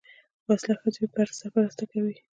وسله ښځې بې سرپرسته کوي